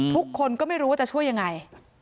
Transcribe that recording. ทุกคนก็ไม่รู้ว่าจะช่วยยังไง